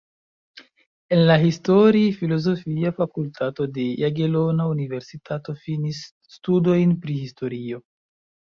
En la Histori-Filozofia Fakultato de Jagelona Universitato finis studojn pri historio.